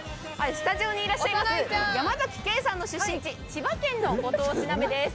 スタジオにいらっしゃいます山崎ケイさんの出身地千葉県のご当地鍋です。